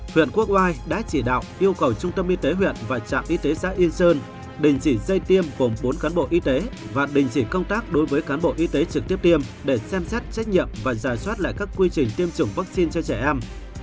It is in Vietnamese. huyện quốc oai đã chỉ đạo yêu cầu trung tâm y tế huyện và trạm y tế xã yên sơn đình chỉ dây tiêm gồm bốn cán bộ y tế và đình chỉ công tác đối với cán bộ y tế trực tiếp tiêm để xem xét trách nhiệm và giả soát lại các quy trình tiêm chủng vaccine cho trẻ em